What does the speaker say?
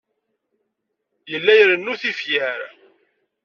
Yella irennu tifyar.